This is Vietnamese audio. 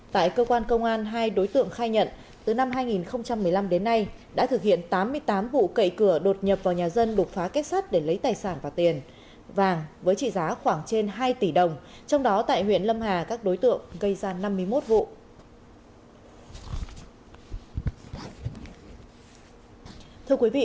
tại cơ quan công an hai đối tượng khai nhận từ năm hai nghìn một mươi năm đến nay đã thực hiện tám mươi tám vụ cậy cửa đột nhập vào nhà dân đục phá kết sát để lấy tài sản và tiền vàng với trị giá khoảng trên hai tỷ đồng trong đó tại huyện lâm hà các đối tượng gây ra năm mươi một vụ